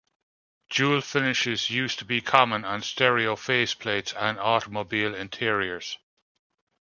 Jewel finishes used to be common on stereo faceplates and automobile interiors.